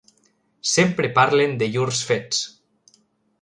Sempre parlen de llurs fets.